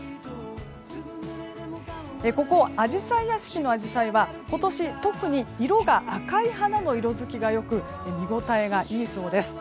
ここ、あじさい屋敷のアジサイは今年、特に色が赤い花ほど色づきが良く見ごたえがいいそうです。